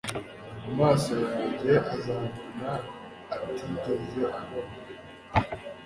Amaso yanjye azabona atigeze abona